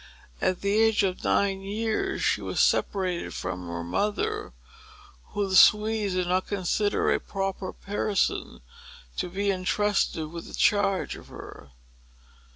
At the age of nine years, she was separated from her mother, whom the Swedes did not consider a proper person to be entrusted with the charge of her.